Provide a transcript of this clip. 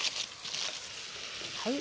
はい。